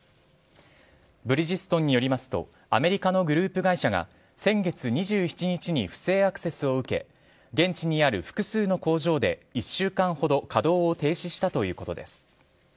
ブリヂストンによりますとアメリカのグループ会社が先月２７日に不正アクセスを受け現地にある複数の工場で１週間ほど稼働を停止したということです。